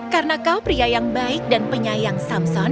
karena kau pria yang baik dan penyayang samson